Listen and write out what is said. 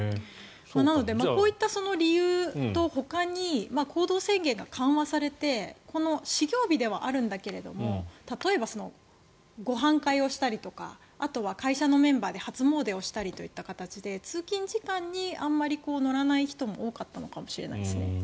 なのでこういった理由と、ほかに行動制限が緩和されて始業日ではあるんだけど例えば、ご飯会をしたりとかあとは会社のメンバーで初詣をしたりといった形で通勤時間にあまり乗らない人も多かったのかもしれないですね。